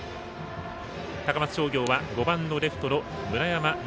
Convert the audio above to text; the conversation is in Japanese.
高松商業は５番のレフトの村山由